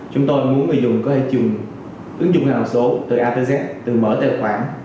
chúng tôi muốn người dùng có thể dùng ứng dụng hàng số từ a z từ mở tài khoản